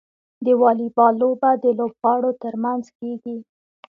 د واليبال لوبه د لوبغاړو ترمنځ کیږي.